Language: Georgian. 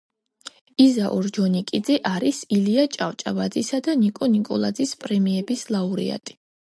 იზა ორჯონიკიძე არის ილია ჭავჭავაძისა და ნიკო ნიკოლაძის პრემიების ლაურეატი.